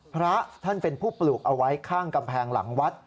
พระท่านเป็นผู้ปลูกเอาไว้ข้างกำแพงหลังวัด